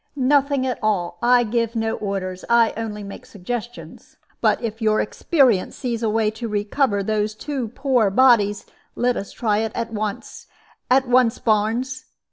"Nothing at all. I give no orders. I only make suggestions. But if your experience sees a way to recover those two poor bodies, let us try it at once at once, Barnes.